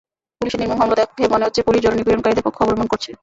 পুলিশের নির্মম হামলা দেখে মনে হচ্ছে, পুলিশ যৌন নিপীড়নকারীদের পক্ষ অবলম্বন করছে।